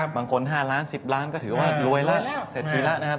บางคน๕ล้าน๑๐ล้านก็ถือว่ารวยแล้วเสร็จทีแล้วนะครับ